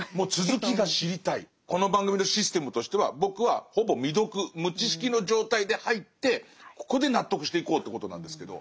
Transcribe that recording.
この番組のシステムとしては僕はほぼ未読無知識の状態で入ってここで納得していこうということなんですけど。